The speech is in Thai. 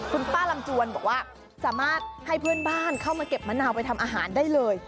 คุณป้าลำจวนบอกว่าสามารถให้เพื่อนบ้านเข้ามาเก็บมะนาวไปทำอาหารได้เลย